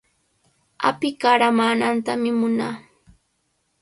Api qaramaanantami munaa.